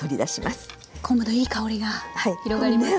昆布のいい香りが広がりますね。